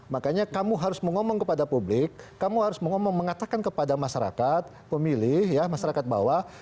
makanya kamu harus mengomong kepada publik kamu harus mengatakan kepada masyarakat pemilih masyarakat bawah